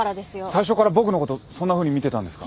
最初から僕のことそんなふうに見てたんですか？